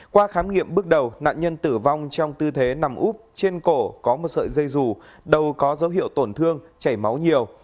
qua khám nghiệm bước đầu nạn nhân tử vong trong tư thế nằm úp trên cổ có một sợi dây dù đầu có dấu hiệu tổn thương chảy máu nhiều